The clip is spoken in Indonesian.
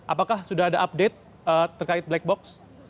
apakah sudah ada update terkait black box